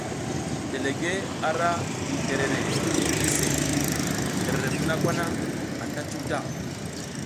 Delegue ara gi terere ngi iʼse, terere vuna kwa na anta cuta.